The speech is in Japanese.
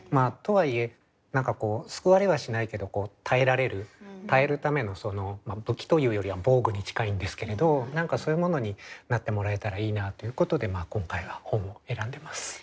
とはいえ何かこう救われはしないけど耐えられる耐えるためのまあ武器というよりは防具に近いんですけれど何かそういうものになってもらえたらいいなということで今回は本を選んでます。